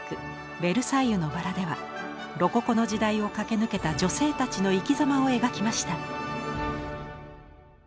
「ベルサイユのばら」ではロココの時代を駆け抜けた女性たちの生きざまを描きました。